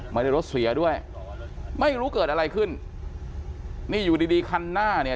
รถเสียด้วยไม่รู้เกิดอะไรขึ้นนี่อยู่ดีดีคันหน้าเนี่ย